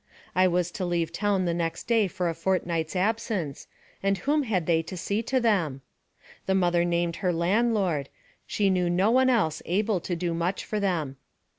I was to leave town the next day for a fortnight's absence, and whom had they to see to them? The mother named her landlord, she knew no one else able to do much for them.